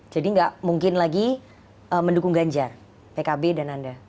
jadi nggak mungkin lagi mendukung ganjar pkb dan anda